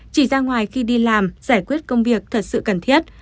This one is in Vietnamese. chỉ ra ngoài khi đi làm giải quyết công việc thật sự cần thiết